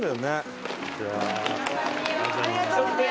ありがとうございます！